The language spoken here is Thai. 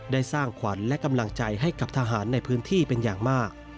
สร้างขวัญและกำลังใจให้กับทหารในพื้นที่เป็นอย่างมาก